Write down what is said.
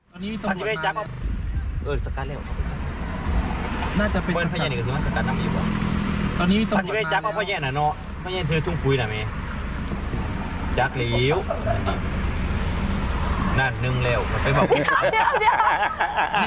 ตอนนี้มีฝันตัวนาฬานะ